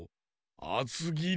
あつぎり？